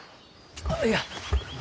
あっいや。